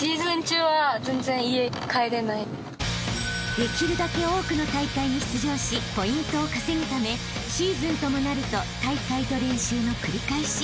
［できるだけ多くの大会に出場しポイントを稼ぐためシーズンともなると大会と練習の繰り返し］